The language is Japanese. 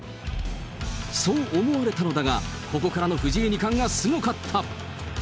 そう思われたのだが、ここからの藤井二冠がすごかった。